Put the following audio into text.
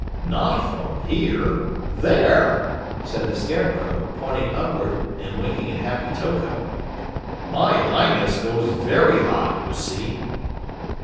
"Not from here there," said the Scarecrow, pointing upward and winking at Happy Toko. "My Highness goes very high, you see!"